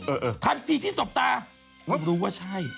เออทันทีที่สบตารับรู้ว่าใช่